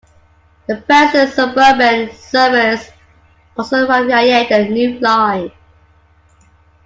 The Preston suburban service also ran via the new line.